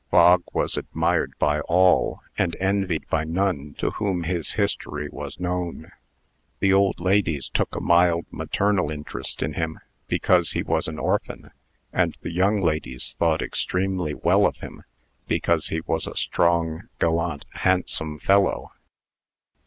Bog was admired by all, and envied by none to whom his history was known. The old ladies took a mild maternal interest in him, because he was an orphan; and the young ladies thought extremely well of him, because he was a strong, gallant, handsome fellow.